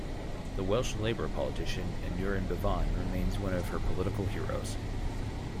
The Welsh Labour politician Aneurin Bevan remains one of her political heroes.